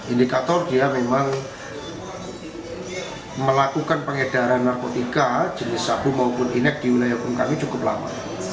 indikator dia memang melakukan pengedaran narkotika jenis sabu maupun inek di wilayah bumi kami cukup lama